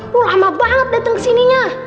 lo lama banget dateng kesininya